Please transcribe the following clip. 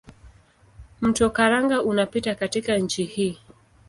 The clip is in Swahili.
Mto Karanga unapita katika nchi hii.